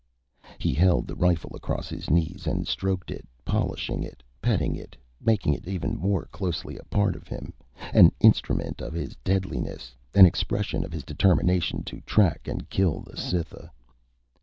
He held the rifle across his knees and stroked it, polishing it, petting it, making it even more closely a part of him, an instrument of his deadliness, an expression of his determination to track and kill the Cytha.